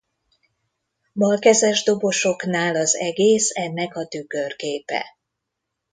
Balkezes dobosoknál az egész ennek a tükörképe.